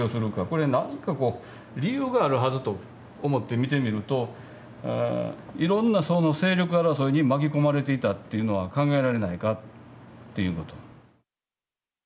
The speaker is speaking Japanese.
これ何かこう理由があるはずと思って見てみるといろんな勢力争いに巻き込まれていたっていうのは考えられないかっていうのと。